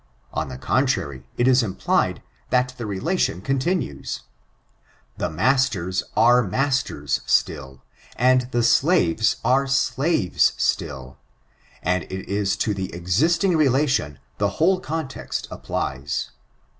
On the contrary, it is implied, that the relation continues. The masters are masters still ; and the slaves are slaves still ; and it is to the exMng rdation the whole context applies.